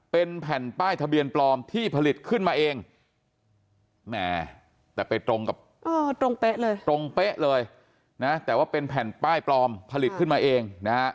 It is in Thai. เป็นแผ่นป้ายทะเบียนปลอมที่ผลิตขึ้นมาเอง